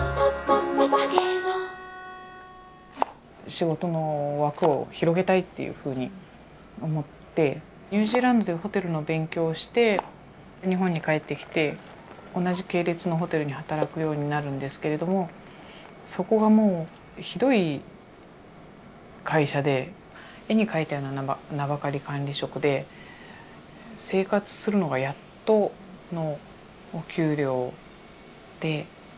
仕事の枠を広げたいっていうふうに思ってニュージーランドでホテルの勉強をして日本に帰ってきて同じ系列のホテルに働くようになるんですけれどもそこがもうひどい会社で絵に描いたような“名ばかり管理職”で生活するのがやっとのお給料で。